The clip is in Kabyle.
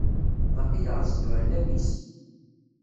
Baqi yerreẓ-d uɛellam-is.